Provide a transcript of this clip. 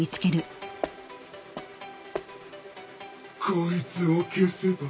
こいつを消せば。